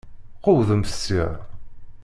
Qewwdemt sya!